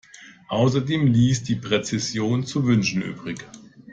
Außerdem ließ die Präzision zu wünschen übrig.